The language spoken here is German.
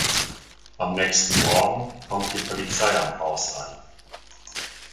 Am nächsten Morgen kommt die Polizei am Haus an.